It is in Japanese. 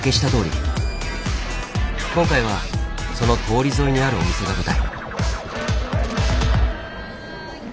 今回はその通り沿いにあるお店が舞台。